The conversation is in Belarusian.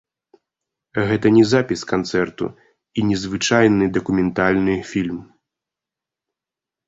Гэта не запіс канцэрту і не звычайны дакументальны фільм.